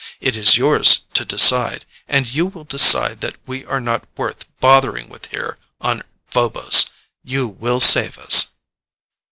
It is yours to decide, and you will decide that we are not worth bothering with here on Phobos. You will save us."